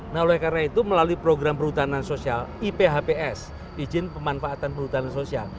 nah oleh karena itu melalui program perhutanan sosial iphps izin pemanfaatan perhutanan sosial